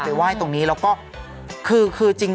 มะม่วงสุก